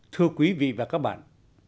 thưa quý vị và các bạn